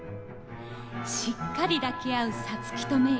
しっかり抱き合うサツキとメイ。